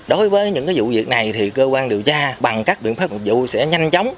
đối với những cái vụ việc này thì cơ quan điều tra bằng các biện pháp hợp dụ sẽ nhanh chóng